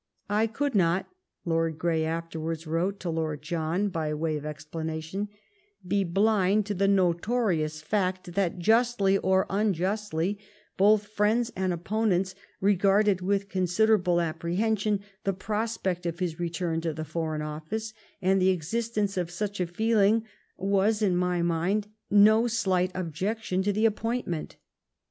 I conld not [Lord Qrey afterwards wrote to Lord John by way of explanation] be blind to tbe notorions fact that, jnstl}' or unjustly, both friends and opponents regarded with considerable apprehension the prospect of his return to the Foreign Office, and the existence of such a feeling was, in my mind, no slight objection to the appointment.